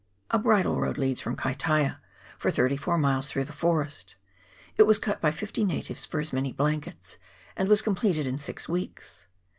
A bridle road leads from Kaitaia for thirty four miles through the forest : it was cut by fifty natives for as many blankets, and was completed in six weeks.